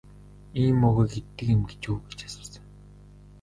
Ийм мөөгийг иддэг юм гэж үү гэж асуусан.